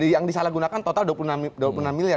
yang disalahgunakan total dua puluh enam miliar